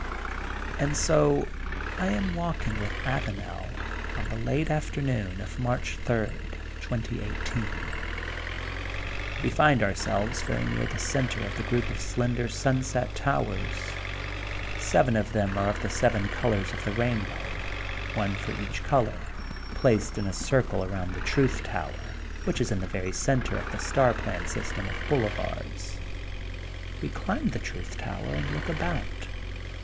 And so I am walking with Avanel, on the late afternoon of March third, 2018, We find ourselves very near the center of the group of slender Sunset Towers, Seven of them are of the seven colors of the rainbow, one for each color, placed in a circle around the Truth Tower, which is in the very center of the star plan system of boulevards. We climb the Truth Tower and look about.